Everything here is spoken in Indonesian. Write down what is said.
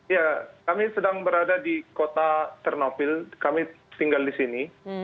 ya kami sedang berada di kota ternopil kami tinggal di sini